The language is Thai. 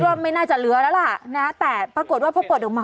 ว่าไม่น่าจะเหลือแล้วล่ะนะแต่ปรากฏว่าพอกดออกมา